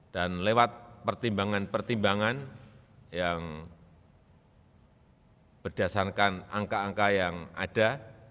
dan lewat pertimbangan pertimbangan yang berdasarkan angka angka yang ada